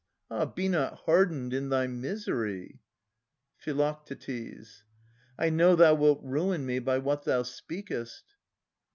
Ah, be not hardened in thy misery ! Phi. I know thou wilt ruin me by what thou speakest.